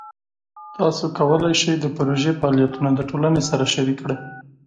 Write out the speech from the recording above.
تاسو کولی شئ د پروژې فعالیتونه د ټولنې سره شریک کړئ.